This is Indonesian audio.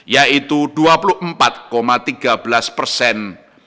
yaitu dua puluh empat tiga belas persen